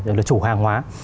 rồi là chủ hàng hóa